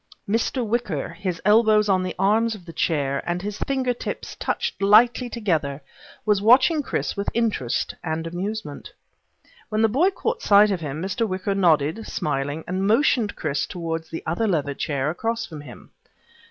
Mr. Wicker, his elbows on the arms of the chair and his fingertips touched lightly together, was watching Chris with interest and amusement. When the boy caught sight of him, Mr. Wicker nodded, smiling, and motioned Chris toward the other leather chair across from him.